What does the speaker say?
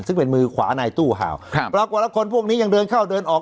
ซึ่งเป็นมือขวาในตู้ห่าวครับปรากฏว่าคนพวกนี้ยังเดินเข้าเดินออก